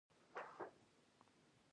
لکه زموږ چې عادت وو